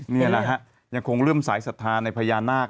จะคงเริ่มศัลย์ศาสตราในพญานาค